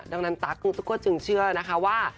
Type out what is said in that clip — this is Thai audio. ดังนั้นตั๊กทุกคนจึงเชื่อนะคะว่า